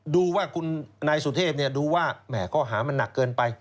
ดูว่าคุณนายสุเทพดูว่าแหมข้อหามันหนักเกินไป